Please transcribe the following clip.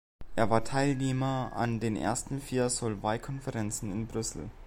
Er war Teilnehmer an den ersten vier Solvay-Konferenzen in Brüssel.